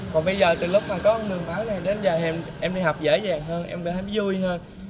còn bây giờ từ lúc mà có con đường máu này đến giờ em đi học dễ dàng hơn em thấy vui hơn